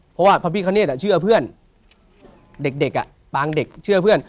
เพราะว่าพระพิคเนธเชื่อเพื่อนเด็กอ่ะปางเด็กเชื่อเพื่อน